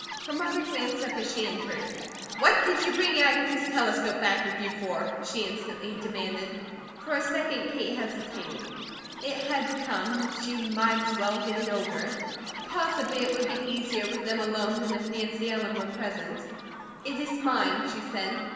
Her mother glanced up as she entered. "What did you bring Agatha's telescope back with you for?" she instantly demanded. For a second Kate hesitated. It had to come, she might as well get it over. Possibly it would be easier with them alone than if Nancy Ellen were present. "It is mine," she said.